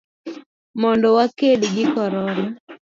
mondo waked gi Corona.